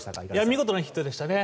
見事なヒットでしたね。